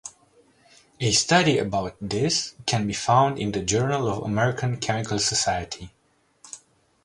A study about this can be found in the Journal of American Chemical Society.